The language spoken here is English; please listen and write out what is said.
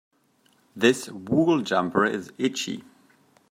This wool jumper is itchy.